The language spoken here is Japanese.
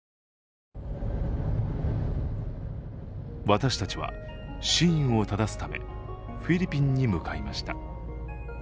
私たちは真意をただすためフィリピンに向かいました。